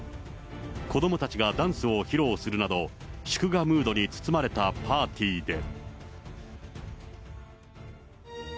子どもたちがダンスを披露するなど、祝賀ムードに包まれたパーティーで。